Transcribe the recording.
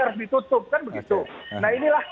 harus ditutup kan begitu nah inilah